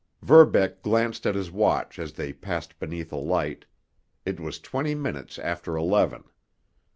Verbeck glanced at his watch as they passed beneath a light—it was twenty minutes after eleven.